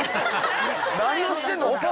何をしてんのお前。